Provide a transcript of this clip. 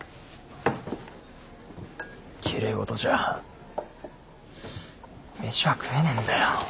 きれい事じゃ飯は食えねえんだよ。